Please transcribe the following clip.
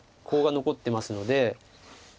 コウが残ってますので。